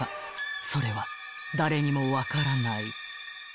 ［それは誰にも分からない］